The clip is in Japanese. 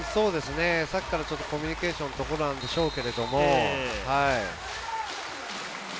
さっきからコミニュケーションのところでしょうが。